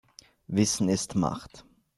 Wissen ist Macht.